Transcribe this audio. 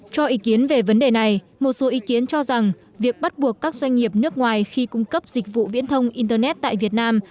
cho ý kiến về vấn đề này một số ý kiến cho rằng việc bắt buộc các doanh nghiệp nước ngoài khi cung cấp dịch vụ viễn thông internet tại việt nam